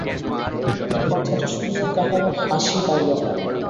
কথাটা শুনিয়া কাহারও হাসি পাইল না।